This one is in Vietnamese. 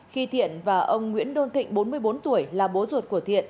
khi thiện và ông nguyễn đôn thịnh bốn mươi bốn tuổi là bố ruột của thiện